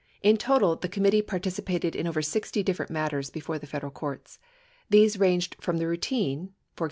In total, the committee partici pated in over 60 different matters before the Federal courts. These ranged from the routine (e.g.